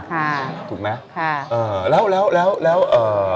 ค่ะถูกไหมค่ะเอ่อแล้วแล้วแล้วแล้วเอ่อ